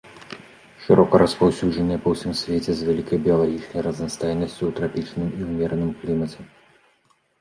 Шырока распаўсюджаныя па ўсім свеце з вялікай біялагічнай разнастайнасцю ў трапічным і ўмераным клімаце.